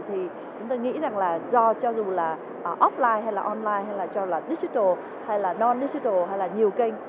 thì chúng ta nghĩ rằng là do cho dù là offline hay là online hay là cho là digital hay là non digital hay là nhiều kênh